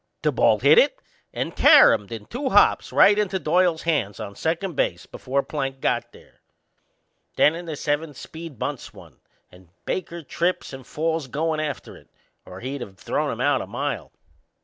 The ball hit it and caromed in two hops right into Doyle's hands on second base before Plank got there. Then in the seventh Speed bunts one and Baker trips and falls goin' after it or he'd of threw him out a mile.